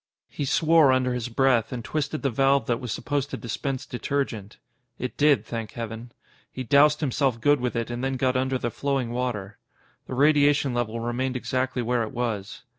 He swore under his breath and twisted the valve that was supposed to dispense detergent. It did, thank Heaven. He doused himself good with it and then got under the flowing water. The radiation level remained exactly where it was.